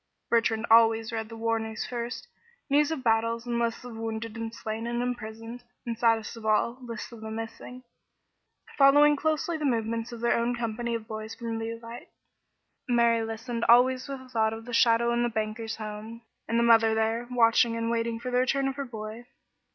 Bertrand always read the war news first, news of battles and lists of wounded and slain and imprisoned, and saddest of all, lists of the missing, following closely the movements of their own company of "boys" from Leauvite. Mary listened always with a thought of the shadow in the banker's home, and the mother there, watching and waiting for the return of her boy.